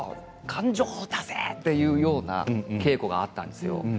感情を出せ！というような稽古があったんですよ。